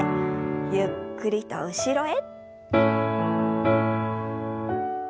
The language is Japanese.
ゆっくりと後ろへ。